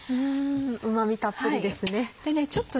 うま味たっぷりですね。